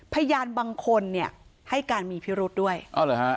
พยานบางคนเนี่ยให้การมีพิรุษด้วยอ๋อเหรอฮะ